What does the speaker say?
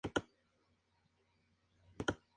Circula los domingos en toda Venezuela.